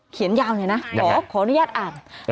เขียนยาวเลยนะขออนุญาตอ่าน